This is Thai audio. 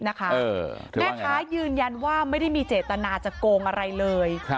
แม่ค้ายืนยันว่าไม่ได้มีเจตนาจะโกงอะไรเลย